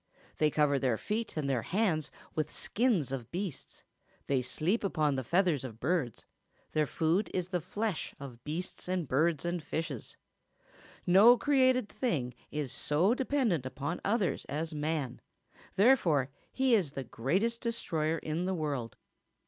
They cover their feet and their hands with skins of beasts; they sleep upon the feathers of birds; their food is the flesh of beasts and birds and fishes. No created thing is so dependent upon others as man; therefore he is the greatest destroyer in the world.